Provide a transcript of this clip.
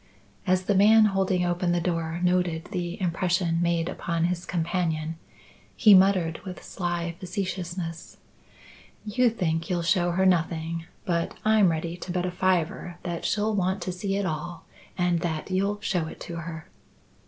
As the man holding open the door noted the impression made upon his companion, he muttered with sly facetiousness: "You think you'll show her nothing; but I'm ready to bet a fiver that she'll want to see it all and that you'll show it to her."